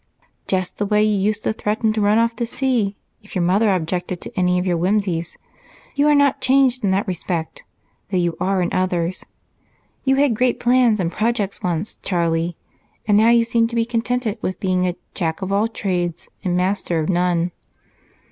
"Just the way you used to threaten to run off to sea if your mother objected to any of your whims. You are not changed in that respect, though you are in others. You had great plans and projects once, Charlie, and now you seem to be contented with being a 'jack of all trades and master of none'".